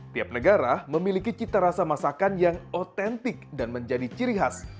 tiap negara memiliki cita rasa masakan yang otentik dan menjadi ciri khas